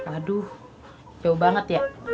aduh jauh banget ya